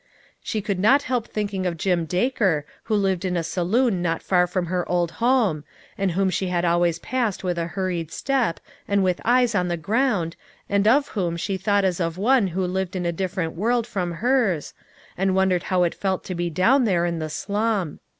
She could not help thinking of Jim Daker who lived in a saloon not far from her old home, and whom she had always passed with a hurried step, and with eyes on the ground, and of whom she thought as of one who lived in a different world from hers, and wondered how it felt to be down there in the slum.